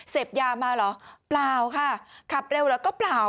เสพยามาเหรอเปล่าค่ะขับเร็วเหรอก็เปล่า